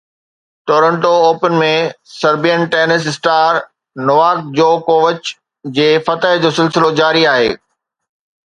Toronto open ۾ Serbian tennis star Novak جوڪووچ جي فتح جو سلسلو جاري آهي